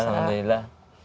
jadi kan alhamdulillah